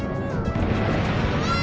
うわ！